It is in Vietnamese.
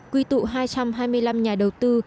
quy tụ hai trăm hai mươi năm nhà đầu tư